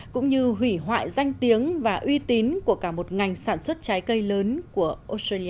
cũng như hủy hoại danh tiếng và uy tín của cả một ngành sản xuất trái cây lớn của australia